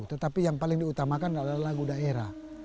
tetapi yang paling diutamakan adalah lagu daerah